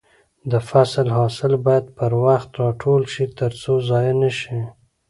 د فصل حاصل باید پر وخت راټول شي ترڅو ضايع نشي.